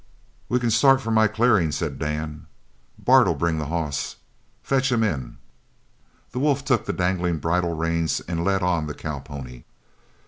"We can start for my clearing," said Dan. "Bart'll bring the hoss. Fetch him in." The wolf took the dangling bridle reins and led on the cowpony.